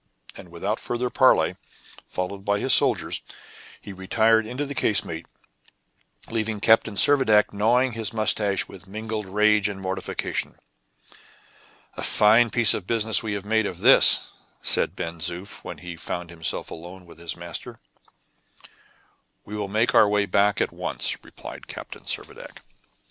And without further parley, followed by his soldiers, he retired into the casemate, leaving Captain Servadac gnawing his mustache with mingled rage and mortification. "A fine piece of business we have made of this!" said Ben Zoof, when he found himself alone with his master. "We will make our way back at once," replied Captain Servadac.